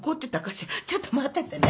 ちょっと待っててね。